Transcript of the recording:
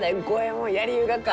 のうやりゆうがか。